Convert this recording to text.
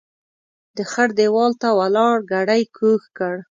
د خړ ديوال ته ولاړ ګړی کوږ کړ.